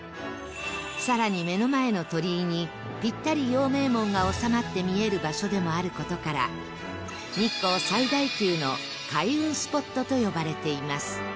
さらに目の前の鳥居にピッタリ陽明門が収まって見える場所でもある事から日光最大級の開運スポットと呼ばれています